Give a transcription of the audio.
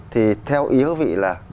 thì theo ý các vị là